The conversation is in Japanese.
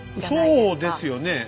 そうですよね。